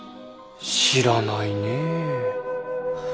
知らないねえ。